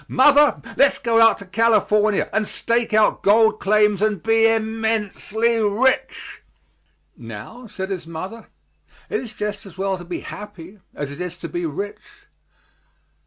Mother, let's go out to California and stake out gold claims and be immensely rich." "Now," said his mother, "it is just as well to be happy as it is to be rich."